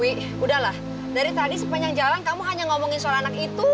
udahlah dari tadi sepanjang jalan kamu hanya ngomongin soal anak itu